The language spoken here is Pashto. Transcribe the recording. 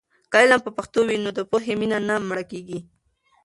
که علم په پښتو وي، نو د پوهې مینه نه مړه کېږي.